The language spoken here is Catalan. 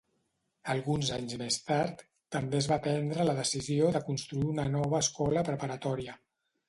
Alguns anys més tard també es va prendre la decisió de construir una nova escola preparatòria.